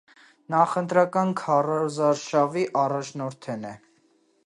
Նախընտրական քարոզարշաւի առաջնորդերէն է։